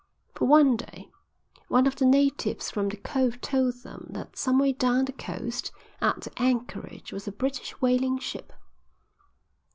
For one day one of the natives from the cove told them that some way down the coast at the anchorage was a British whaling ship."